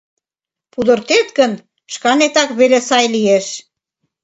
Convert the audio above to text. — Пудыртет гын, шканетак веле сай лиеш...